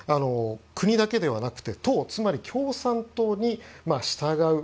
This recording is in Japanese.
国だけではなくて党つまり共産党に従う。